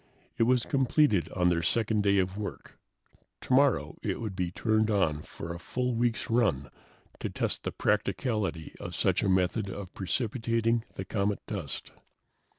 It was completed on their second day of work. Tomorrow it would be turned on for a full week's run to test the practicability of such a method of precipitating the comet dust.